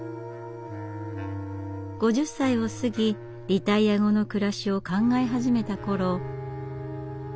５０歳を過ぎリタイア後の暮らしを考え始めた頃。